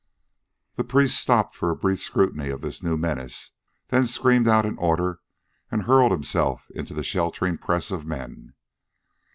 The priest stopped for a brief scrutiny of this new menace, then screamed out an order and hurled himself into the sheltering press of men.